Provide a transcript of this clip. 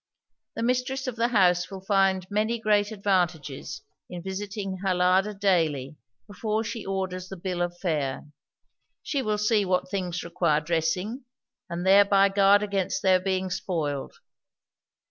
The mistress of the house will find many great advantages in visiting her larder daily before she orders the bill of fare; she will see what things require dressing, and thereby guard against their being spoiled.